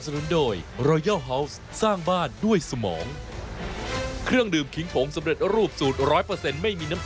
ทุวิทย์ตีสากหน้า